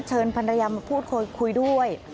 เชิญพันรยามาพูดคุยด้วย